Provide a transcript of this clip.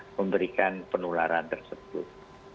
untuk memberikan penularan tersebut